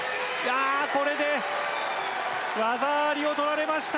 これで技ありを取られました。